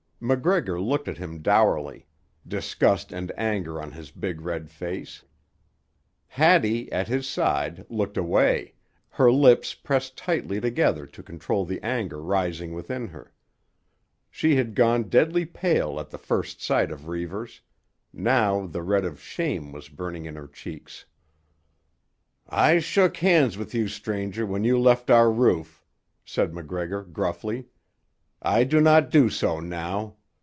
MacGregor looked at him dourly, disgust and anger on his big red face. Hattie, at his side, looked away, her lips pressed tightly together to control the anger rising within her. She had gone deadly pale at the first sight of Reivers; now the red of shame was burning in her cheeks. "I shook hands with you, stranger, when you left our roof," said MacGregor gruffly. "I do not do so now.